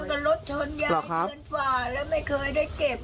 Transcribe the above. ตั้งแต่รถชนยายเกินฝากแล้วไม่เคยได้เก็บ